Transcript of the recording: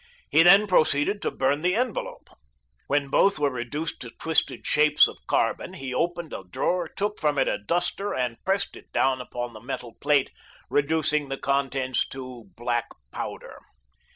He then proceeded to burn the envelope. When both were reduced to twisted shapes of carbon, he opened a drawer, took from it a duster and pressed it down upon the metal plate, reducing the contents to black powder.